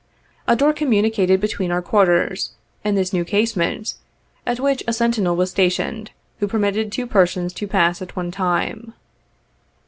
A door communicated between our quarters and this new casemate, at which a sentinel was stationed, who permitted two persons to pass at one time.